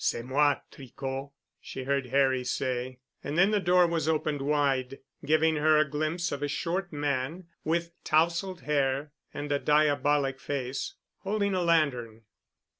"C'est moi, Tricot," she heard Harry say, and then the door was opened wide, giving her a glimpse of a short man with tousled hair and a diabolic face, holding a lantern.